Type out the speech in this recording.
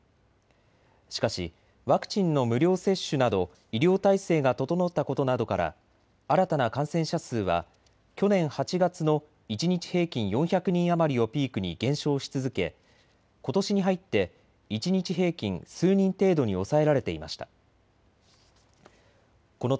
しかしワクチンの無料接種など医療体制がととのったことなどから新たな感染者数は去年８月の一日平均４００人余りをピークに減少し続け、ことしに入って一日平均数人程度に抑えられていました。